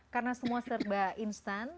karena semua serba instan